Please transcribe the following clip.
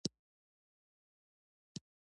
افغانستان کې د ګاز په اړه زده کړه کېږي.